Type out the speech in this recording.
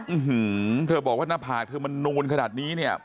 ื้อหือเธอบอกว่าหน้าผากเธอมันนูนขนาดนี้เนี่ย